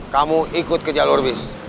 kamu ikut ke jalur bis